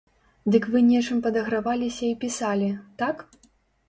Дык вы нечым падаграваліся і пісалі, так?